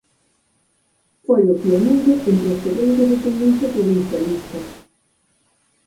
Foi o pioneiro entre os periódicos de tendencia provincialista.